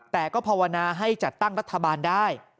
แต่ก็ภาวนาให้จัดตั้งรัฐบาลได้